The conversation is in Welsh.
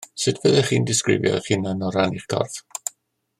Sut fyddech chi'n disgrifio eich hunan o ran eich corff?